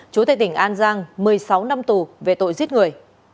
chủ tịch tỉnh an giang một mươi sáu năm tù về tội giết người